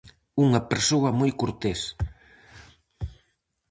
Unha persoa moi cortés.